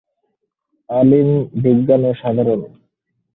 আলিম বিজ্ঞান ও সাধারণ।